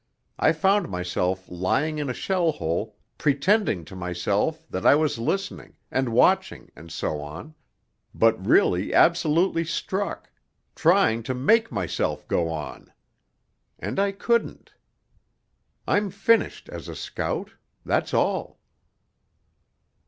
I found myself lying in a shell hole pretending to myself that I was listening, and watching, and so on, but really absolutely stuck, trying to make myself go on ... and I couldn't.... I'm finished as a scout ... that's all.'